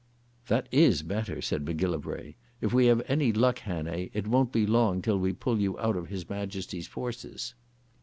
"That is better," said Macgillivray. "If we have any luck, Hannay, it won't be long till we pull you out of His Majesty's Forces."